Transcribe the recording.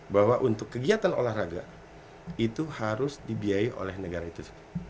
bahwa untuk kegiatan olahraga itu harus dibiayai oleh negara itu